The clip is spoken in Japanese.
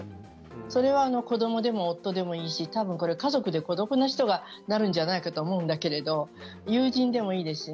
それは子どもでも夫でもいいし多分、家族で孤独な人がなるんじゃないかと思うんですけれども友人でもいいですね。